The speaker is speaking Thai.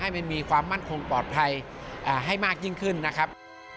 ให้มันมีความมั่นคงปลอดภัยให้มากยิ่งขึ้นนะครับ